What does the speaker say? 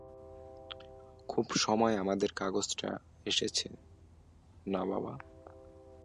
খুব সময়ে আমাদের কাগজটা এসেছে-না বাবা?